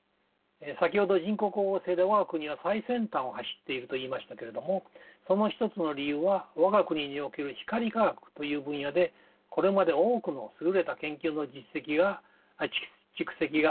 先ほど人工光合成で我が国は最先端を走っていると言いましたけれどもその一つの理由は我が国における光化学という分野でこれまで多くの優れた研究の蓄積があることが挙げられます。